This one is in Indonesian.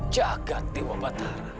jaga dewa batara